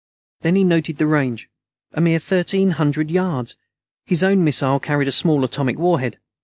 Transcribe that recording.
Then he noted the range. A mere thirteen hundred yards! His own missile carried a small atomic warhead.